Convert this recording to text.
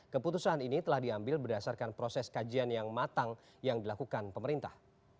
keputusan ini telah diambil berdasarkan proses kajian yang matang yang dilakukan pemerintah